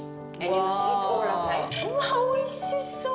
うわぁ、おいしそう！